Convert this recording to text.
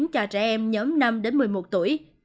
cho trẻ em nhóm năm một mươi một tuổi